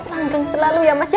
ranking selalu ya mas ya